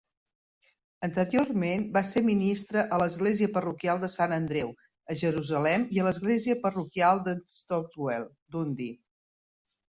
Anteriorment va ser ministra a l'Església parroquial de Sant Andreu, a Jerusalem i a l'Església parroquial de Stobswell, Dundee.